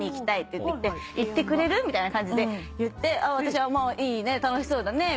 「行ってくれる？」みたいな感じで言って私はいいね楽しそうだね。